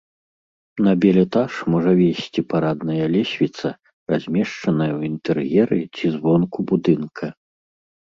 На бельэтаж можа весці парадная лесвіца, размешчаная ў інтэр'еры ці звонку будынка.